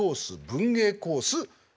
文芸コース